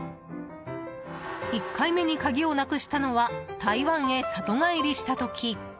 １回目に鍵をなくしたのは台湾へ里帰りした時。